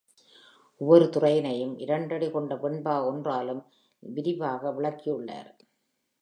ஒவ்வொரு துறையினையும் இரண்டடி கொண்ட வெண்பா ஒன்றாலும் லிரிவாக விளக்கியுள் ளார்.